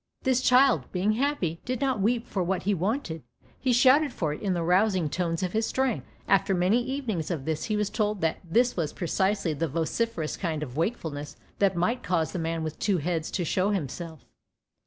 This child, being happy, did not weep for what he wanted; he shouted for it in the rousing tones of his strength. After many evenings of this he was told that this was precisely the vociferous kind of wakefulness that might cause the man with two heads to show himself.